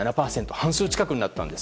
半数近くになったんです。